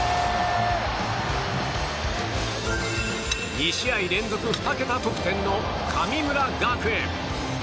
２試合連続２桁得点の神村学園。